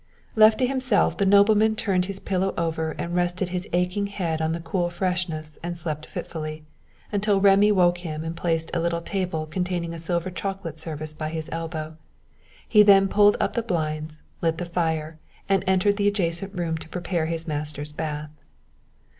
Left to himself, the nobleman turned his pillow over and rested his aching head on the cool freshness and slept fitfully, until Rémy woke him and placed a little table containing a silver chocolate service by his elbow. He then pulled up the blinds, lit the fire, and entered the adjacent room to prepare his master's bath.